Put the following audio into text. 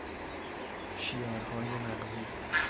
شیارهای مغزی